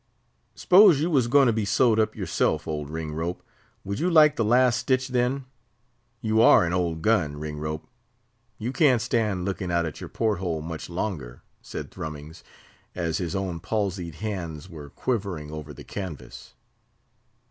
"S'pose you was going to be sewed up yourself, old Ringrope, would you like the last stitch then! You are an old, gun, Ringrope; you can't stand looking out at your port hole much longer," said Thrummings, as his own palsied hands were quivering over the canvas.